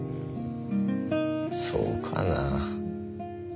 そうかなぁ。